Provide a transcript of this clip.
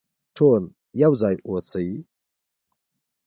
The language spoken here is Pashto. ټول يو ځای اوسئ.